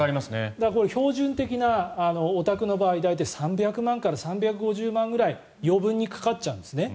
これ、標準的なお宅の場合大体３００万円から３５０万円ぐらい余分にかかっちゃうんですね。